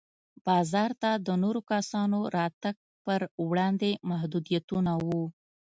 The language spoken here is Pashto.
بازار ته د نورو کسانو راتګ پر وړاندې محدودیتونه وو.